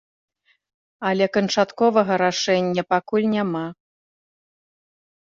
Але канчатковага рашэння пакуль няма.